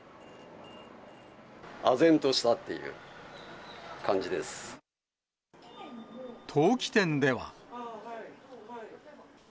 あぜんとしたっていう感じで陶器店では。